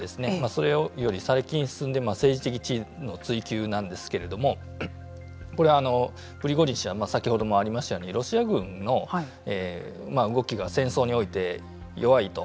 それより進んで政治的地位の追求なんですけれどもこれ、プリゴジン氏は先ほどもありましたようにロシア軍の動きが戦争において弱いと。